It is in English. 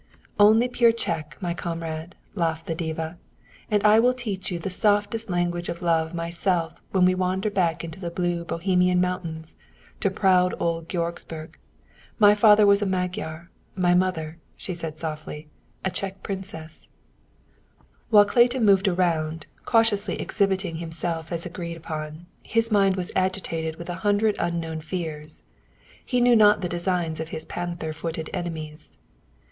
"Only pure Czech, my comrade," laughed the diva. "And I will teach you the softest language of Love myself when we wander back into the blue Bohemian mountains to proud old Georgsburg. My father was a Magyar, my mother," she softly said, "a Czech princess." While Clayton moved around, cautiously exhibiting himself as agreed upon, his mind was agitated with a hundred unknown fears. He knew not the designs of his panther footed enemies.